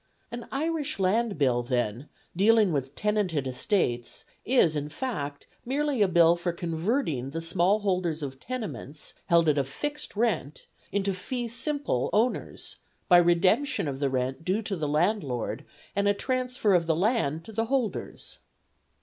An Irish Land Bill, then, dealing with tenanted estates, is, in fact, merely a Bill for converting the small holders of tenements held at a fixed rent into fee simple owners by redemption of the rent due to the landlord and a transfer of the land to the holders.